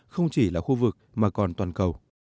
không chỉ là khu vực mà còn toàn cầu